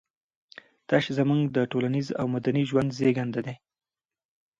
تش زموږ د ټولنيز او مدني ژوند زېږنده دي.